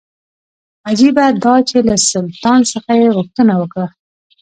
عجیبه دا چې له سلطان څخه یې غوښتنه وکړه.